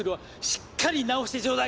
しっかり治してちょうだい。